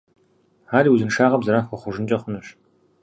Ар и узыншагъэм зэран хуэхъужынкӀэ хъунущ.